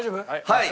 はい。